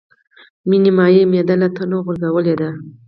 مې نيمایي معده له تنه غورځولې ده.